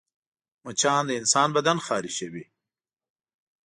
مچان د انسان بدن خارشوي